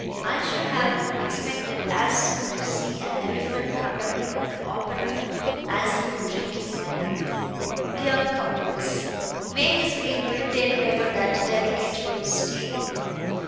I should have expected as soon to see an elephant conducting at the opera as you drinking my health. Dear Cupples! May his beak retain ever that delicate rose stain!